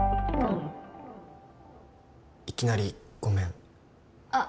いきなりごめんあっ